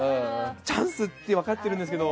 チャンスって分かってるんですけど。